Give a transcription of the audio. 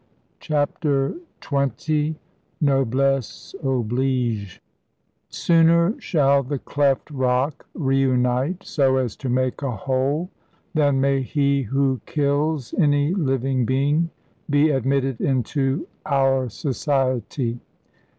CHAPTER XX 'NOBLESSE OBLIGE' 'Sooner shall the cleft rock reunite so as to make a whole, than may he who kills any living being be admitted into our society.'